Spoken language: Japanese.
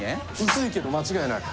薄いけど間違いない。